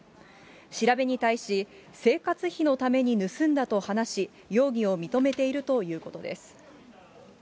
調べに対し、生活費のために盗んだと話し、容疑を認めているということです。